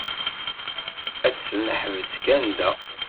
Ad tt-neḥbes kan da?